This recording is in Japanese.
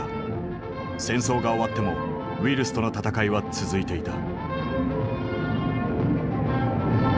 戦争が終わってもウイルスとの闘いは続いていた。